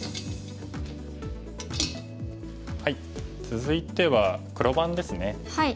続いては黒番ですね。